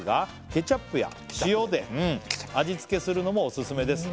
「ケチャップや塩で味付けするのもオススメです」